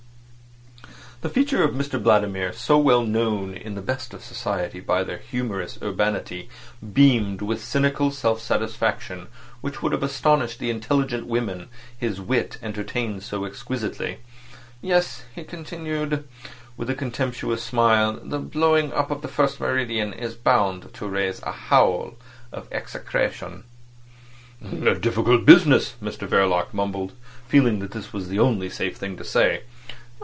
The features of Mr Vladimir, so well known in the best society by their humorous urbanity, beamed with cynical self satisfaction, which would have astonished the intelligent women his wit entertained so exquisitely. "Yes," he continued, with a contemptuous smile, "the blowing up of the first meridian is bound to raise a howl of execration." "A difficult business," Mr Verloc mumbled, feeling that this was the only safe thing to say.